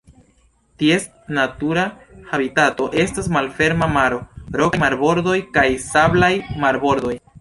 Ties natura habitato estas malferma maro, rokaj marbordoj, kaj sablaj marbordoj.